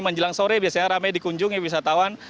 menjelang sore biasanya ramai dikunjungi wisatawan